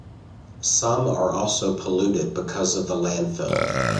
Some are also polluted because of the landfill.